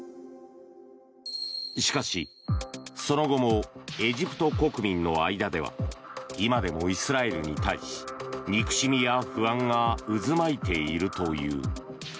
しかし、その後もエジプト国民の間では今でもイスラエルに対し憎しみや不安が渦巻いているという。